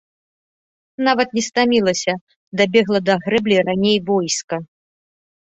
Нават не стамілася, дабегла да грэблі раней войска.